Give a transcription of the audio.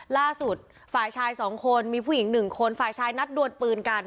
ล่าสุดฝ่ายชายสองคนมีผู้หญิง๑คนฝ่ายชายนัดดวนปืนกัน